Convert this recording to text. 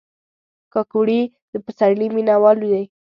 کاکړي د پسرلي مینهوال دي.